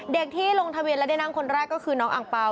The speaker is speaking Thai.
เด็กที่ลงทะเบียนและแนะนำคนแรกก็คือน้องอังเปรา